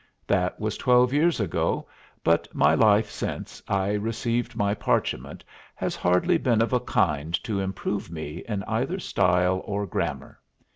That was twelve years ago, but my life since I received my parchment has hardly been of a kind to improve me in either style or grammar.